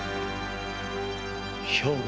兵庫！